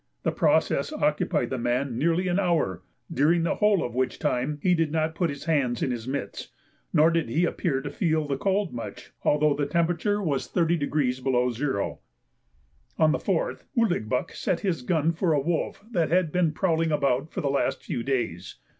The process occupied the man nearly an hour, during the whole of which time he did not put his hands in his mitts, nor did he appear to feel the cold much, although the temperature was 30° below zero. On the 4th Ouligbuck set his gun for a wolf that had been prowling about for the last few days.